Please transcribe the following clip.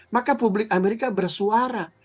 maka publik amerika bersuara